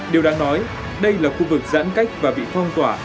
điều đáng nói đây là khu vực giãn cách và bị phong tỏa